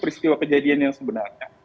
pristiwa kejadian yang sebenarnya